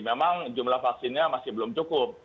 memang jumlah vaksinnya masih belum cukup